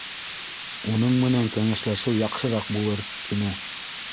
Уның менән кәңәшләшеү яҡшыраҡ булыр, —тине.